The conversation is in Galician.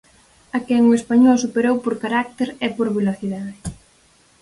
A quen o Español superou por carácter e por velocidade.